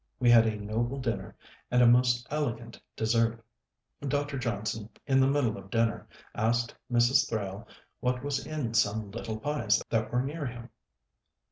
We had a noble dinner, and a most elegant dessert. Dr. Johnson, in the middle of dinner, asked Mrs. Thrale what was in some little pies that were near him.